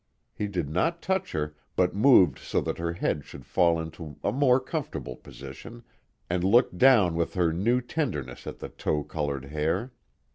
He did not touch her, but moved so that her head should fall into a more comfortable position, and looked down with new tenderness at the tow colored hair.